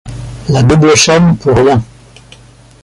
La double chaîne pour rien.